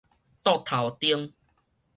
桌頭燈